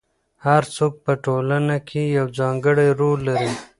هر څوک په ټولنه کې یو ځانګړی رول لري.